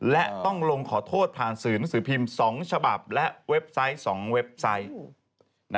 และต้องลงขอโทษผ่านสื่อหนังสือพิมพ์๒ฉบับและเว็บไซต์๒เว็บไซต์